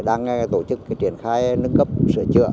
đang tổ chức triển khai nâng cấp sửa chữa